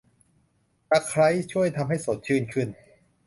ตะไคร้ช่วยทำให้สดชื่นขึ้น